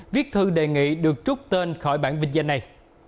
viết thư đề nghị được trút tên khỏi bản vinh danh này